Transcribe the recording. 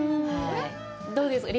どうですか？